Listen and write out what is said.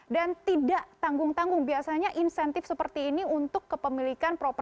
dan tidak tanggung tanggung biasanya insentif seperti ini untuk kepemilikan